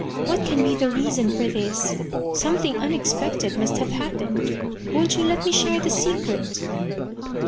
What can be the reason for this ? Something un expected must have happened ! Won't you let me share the secret